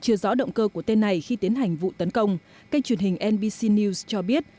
chưa rõ động cơ của tên này khi tiến hành vụ tấn công kênh truyền hình nbc news cho biết